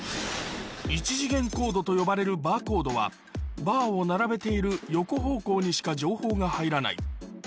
１次元コードと呼ばれるバーコードは、バーを並べている横方向にしか情報が入らない。